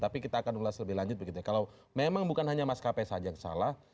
tapi kita akan ulas lebih lanjut begitu ya kalau memang bukan hanya maskapai saja yang salah